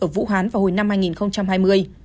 ở vũ hán vào hồi năm hai nghìn hai mươi